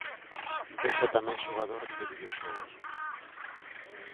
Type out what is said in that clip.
Vexa tamén xogador de videoxogos.